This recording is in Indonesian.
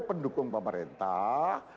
tugas legislatif sebagai partai